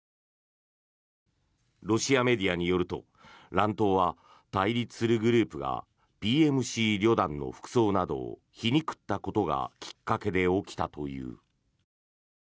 ロシアメディアによると乱闘は対立するグループがＰＭＣリョダンの服装などを皮肉ったことがきっかけで起きたという。